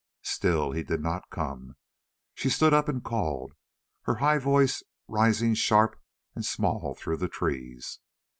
Still he did not come. She stood up and called, her high voice rising sharp and small through the trees.